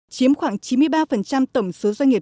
chiếm khoảng chín mươi ba tổng số doanh nghiệp